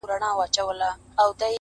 پر ړانده شپه او ورځ يوه ده.